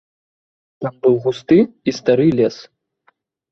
Там быў густы і стары лес.